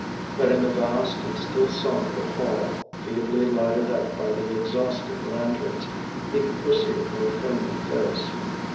But in the vast and still sombre hall, feebly lighted up by the exhausted lanterns, he could perceive no friendly face.